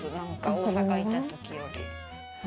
大阪にいたときより。